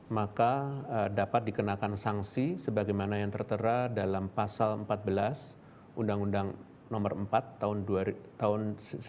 maka dapat dikenakan sanksi sebagaimana yang tertera dalam pasal empat belas undang undang nomor empat tahun seribu sembilan ratus sembilan puluh lima